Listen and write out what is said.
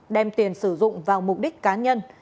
đem tiền sử dụng vào mục đích cá nhân